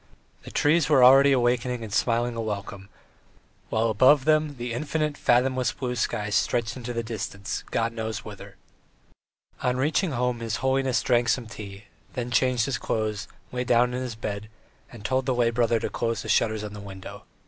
The trees were already awakening and smiling a welcome, while above them the infinite, fathomless blue sky stretched into the distance, God knows whither. On reaching home his holiness drank some tea, then changed his clothes, lay down on his bed, and told the lay brother to close the shutters on the windows.